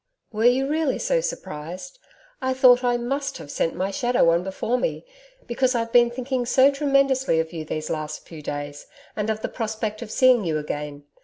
'Were you really so surprised? I thought I MUST have sent my shadow on before me because I've been thinking so tremendously of you these last few days, and of the prospect of seeing you again.